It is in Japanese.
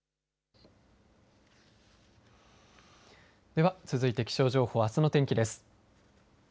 では、続いて気象情報あすの天気です。